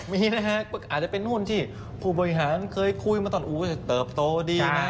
มีนะฮะอาจจะเป็นหุ้นที่ผู้บริหารเคยคุยมาตอนเติบโตดีนะ